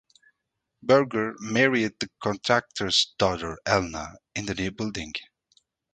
Burger married the contractor’s daughter Elna in the new building.